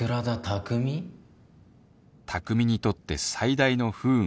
卓海にとって最大の不運